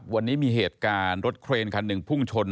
วันนี้มีเหตุการณ์รถเครนคันหนึ่งพุ่งชน